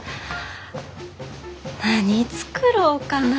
何作ろうかな。